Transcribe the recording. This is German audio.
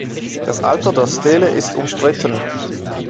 Das Alter der Stele ist umstritten.